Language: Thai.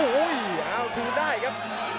โอ้โหเอาคืนได้ครับ